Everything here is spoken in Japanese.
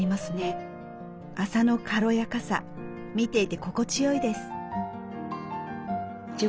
麻の軽やかさ見ていて心地良いです。